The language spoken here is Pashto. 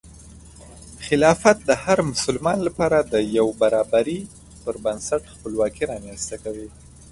خلافت د هر مسلمان لپاره د یو برابري پر بنسټ خپلواکي رامنځته کوي.